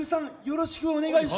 よろしくお願いします